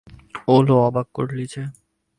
ওলো, অবাক করলি যে!